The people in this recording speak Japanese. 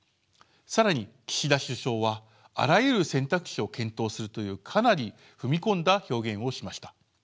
更に岸田首相はあらゆる選択肢を検討するというかなり踏み込んだ表現をしました。